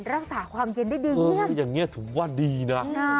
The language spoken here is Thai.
รักษาความเย็นได้ดีคืออย่างนี้ถือว่าดีนะ